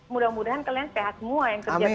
mudah mudahan kalian sehat semua yang kerja